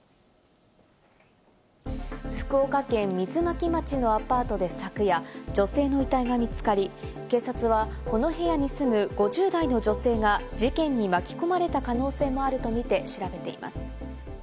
福岡県水巻町のアパートで昨夜、女性の遺体が見つかり、警察はこの部屋に住む５０代の女性が事件に巻き込まれた可能性もあるとみて調べています。